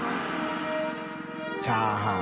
チャーハン」